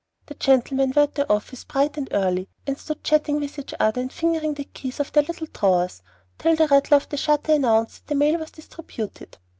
The gentlemen were at the office bright and early, and stood chatting with each other, and fingering the keys of their little drawers till the rattle of the shutter announced that the mail was distributed.